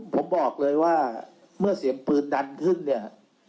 ผมบอกเลยว่าเมื่อเสียงปืนดังขึ้นเนี่ย